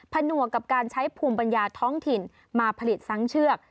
หนวกกับการใช้ภูมิปัญญาท้องถิ่นมาผลิตซ้ำเชือก